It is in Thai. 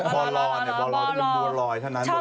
บัวรอยชอบกินบัวรอยเลย